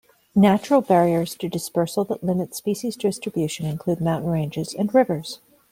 Natural barriers to dispersal that limit species distribution include mountain ranges and rivers.